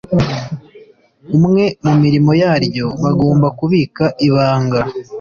umwe mu mirimo yaryo bagomba kubika ibanga